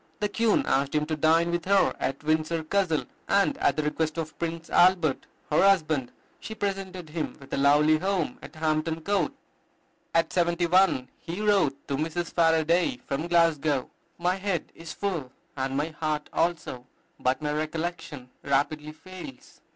The Queen asked him to dine with her at Windsor Castle, and, at the request of Prince Albert her husband, she presented him with a lovely home at Hampton Court. At seventy one he wrote to Mrs. Faraday from Glasgow, "My head is full, and my heart also; but my recollection rapidly fails.